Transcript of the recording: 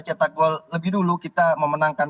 cetak gol lebih dulu kita memenangkan